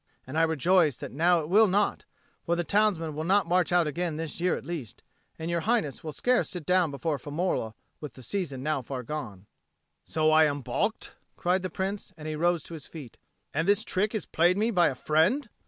And I rejoice that now it will not; for the townsmen will not march out again this year at least, and Your Highness will scarce sit down before Firmola with the season now far gone." "So I am baulked?" cried the Prince, and he rose to his feet. "And this trick is played me by a friend!"